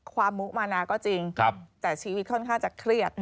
มุมานาก็จริงแต่ชีวิตค่อนข้างจะเครียด